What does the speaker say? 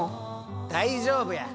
大丈夫や！